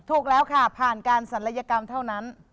ถูกแล้วค่ะผ่านการศัลยกรรมเท่านั้น